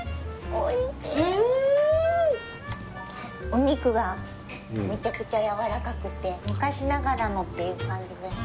お肉がめちゃくちゃやわらかくて昔ながらのっていう感じがします。